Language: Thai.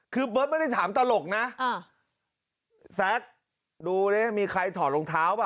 คือเบิร์ตไม่ได้ถามตลกนะแซ็กดูดิมีใครถอดรองเท้าป่